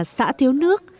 xã thiếu nước